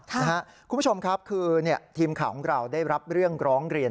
คุณผู้ชมครับคือทีมข่าวของเราได้รับเรื่องร้องเรียน